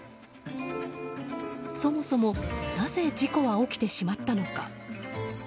そもそもなぜ事故は起きてしまったのか。